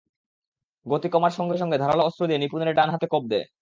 গতি কমার সঙ্গে সঙ্গে ধারালো অস্ত্র দিয়ে নিপুণের ডান হাতে কোপ দেয়।